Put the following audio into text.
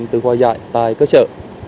tự hòa giải tại cơ sở